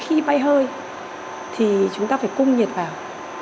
khi mà bên cạnh chúng ta ngưng tụ thì chúng ta phải cung nhiệt vào